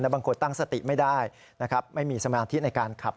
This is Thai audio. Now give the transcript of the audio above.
และบางคนตั้งสติไม่ได้ไม่มีสำนักที่ในการขับ